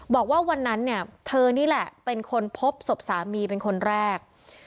บอกว่าวันนั้นเนี่ยเธอนี่แหละเป็นคนพบศพสามีเป็นคนแรก